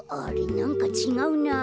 なんかちがうな。